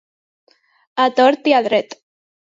A tort i a dret.